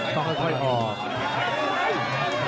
ต้องค่อยค่อยค่อยดู